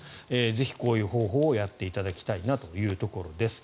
こういう方法をやっていただきたいというところです。